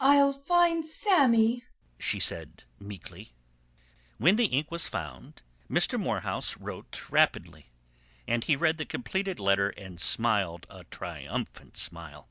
"I'll find Sammy," she said meekly. When the ink was found Mr. Morehouse wrote rapidly, and he read the completed letter and smiled a triumphant smile.